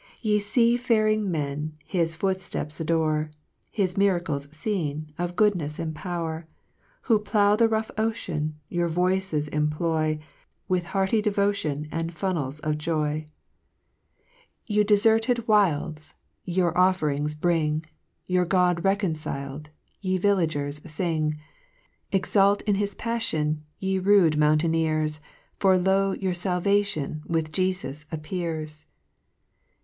4 Ye lea faring men, His footfteps adore, His miracles ieen, 01 goodncls anu power ; Who plough the rough octan. Your voice* employ, AVith hearty devotion ami fulnefs of joy. A 2 5 Ye ( 4 ) Ye defcrtcd wilds, Your offerings bring, Your God rcconcil'd, Ye villagers fing ; Exult in his paflion, Ye rude mountaineers, For, lo! your l'alvation, With Jcfus appears